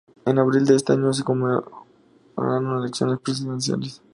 En abril de ese año, se convocaron elecciones presidenciales.